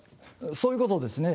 そういうことですね。